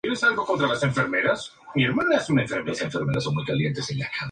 Estas representaciones se dieron en una traducción al alemán de Rudolph Stephan Hoffmann.